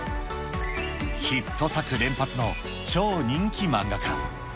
ヒット作連発の超人気漫画家。